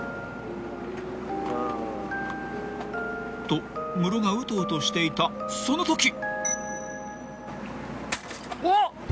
［とムロがうとうとしていたそのとき］